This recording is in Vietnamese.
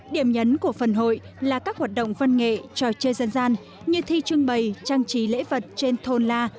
điểm nhấn của phần hội là các hoạt động văn nghệ trò chơi dân gian như thi trưng bày trang trí lễ vật trên thôn la